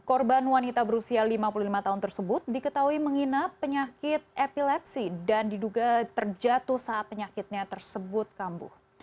korban wanita berusia lima puluh lima tahun tersebut diketahui menginap penyakit epilepsi dan diduga terjatuh saat penyakitnya tersebut kambuh